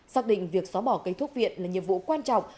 xác định việc xóa bỏ cây thuốc viện là nhiệm vụ quan trọng